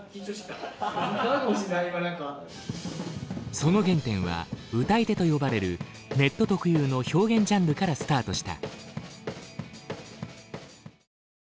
その原点は「歌い手」と呼ばれるネット特有の表現ジャンルからスタートした。